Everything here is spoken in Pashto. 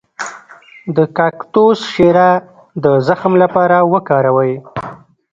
د کاکتوس شیره د زخم لپاره وکاروئ